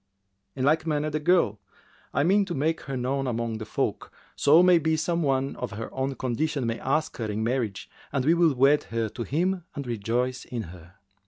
In like manner the girl; I mean to make her known among the folk, so may be some one of her own condition may ask her in marriage and we will wed her to him and rejoice in her."